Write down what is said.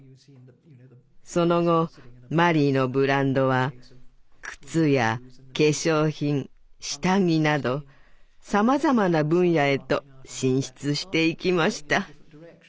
その後マリーのブランドは靴や化粧品下着などさまざまな分野へと進出していきました。